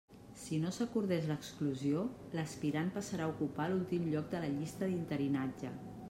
Si no s'acordés l'exclusió, l'aspirant passarà a ocupar l'últim lloc de la llista d'interinatge.